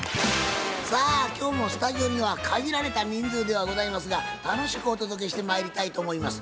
さあ今日もスタジオには限られた人数ではございますが楽しくお届けしてまいりたいと思います。